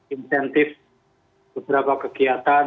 insentif beberapa kegiatan